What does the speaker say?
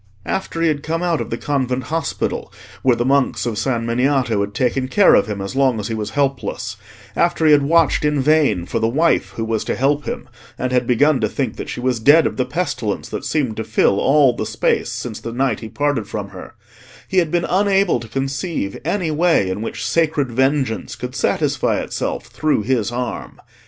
After he had come out of the convent hospital, where the monks of San Miniato had taken care of him as long as he was helpless; after he had watched in vain for the Wife who was to help him, and had begun to think that she was dead of the pestilence that seemed to fill all the space since the night he parted from her, he had been unable to conceive any way in which sacred vengeance could satisfy itself through his arm.